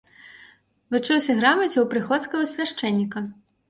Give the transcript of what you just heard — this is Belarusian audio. Вучыўся грамаце ў прыходскага свяшчэнніка.